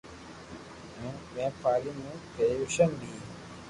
ھي ين ٻاري مون ڪريجويݾن بي